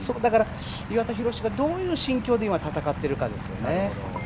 岩田寛がどういう心境で今、戦っているかですよね。